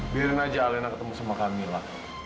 biarin aja alena ketemu sama camilla